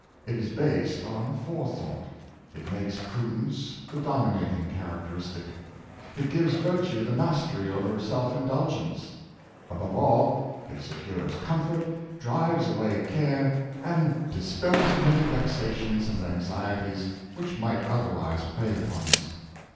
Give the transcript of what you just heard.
It is based on forethought. It makes prudence the dominating characteristic. It gives virtue the mastery over self indulgence. Above all, it secures comfort, drives away care, and dispels many vexations and anxieties which might otherwise prey upon us.